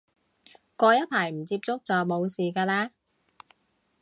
過一排唔接觸就冇事嘅喇